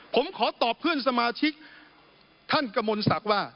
ผมขอตอบเพื่อนสมาชิกท่านกระมวลศักดิ์ว่า